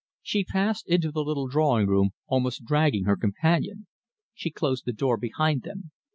She passed into the little drawing room, almost dragging her companion. She closed the door behind them.